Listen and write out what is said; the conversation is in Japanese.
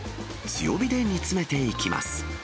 強火で煮詰めていきます。